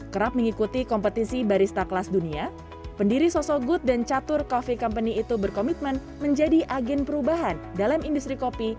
kerap mengikuti kompetisi barista kelas dunia pendiri sosok good dan catur coffee company itu berkomitmen menjadi agen perubahan dalam industri kopi